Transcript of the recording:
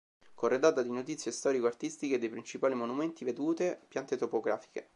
Corredata di notizie storico- artistiche dei principali monumenti, vedute, piante topografiche".